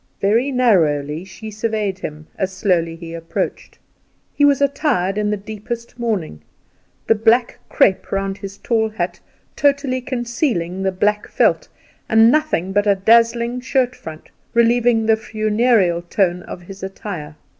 Very narrowly she surveyed him, as slowly he approached. He was attired in the deepest mourning, the black crepe round his tall hat totally concealing the black felt, and nothing but a dazzling shirt front relieving the funereal tone of his attire.